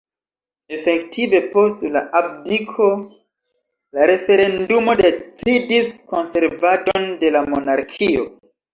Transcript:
Efektive post la abdiko la referendumo decidis konservadon de la monarkio.